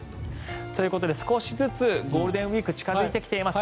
ということで少しずつゴールデンウィーク近付いてきています。